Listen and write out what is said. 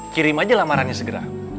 kirim aja lamarannya segera